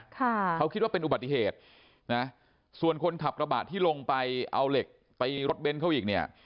เขาคิดว่าเป็นอุบัติเหตุนะส่วนคนขับกระบะที่ลงไปเอาเหล็กไปรถเบนท์เขาอีกเนี่ย